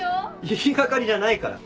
言い掛かりじゃないから。